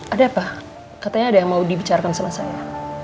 ada apa katanya ada yang mau dibicarakan sama saya